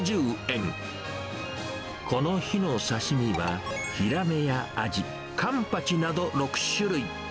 この日の刺身は、ヒラメやアジ、カンパチなど、６種類。